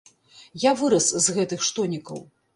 Я вырас з гэтых штонікаў.